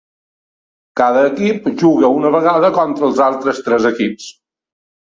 Cada equip juga una vegada contra els altres tres equips.